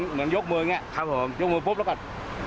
เหมือนยกมืออย่างนี้ยกมือปุ๊บแล้วกัน